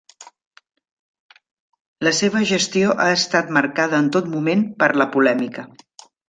La seva gestió ha estat marcada en tot moment per la polèmica.